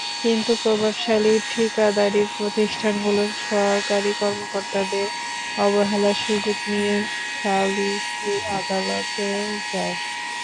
কিন্তু প্রভাবশালী ঠিকাদারি প্রতিষ্ঠানগুলো সরকারি কর্মকর্তাদের অবহেলার সুযোগ নিয়ে সালিসি আদালতে যায়।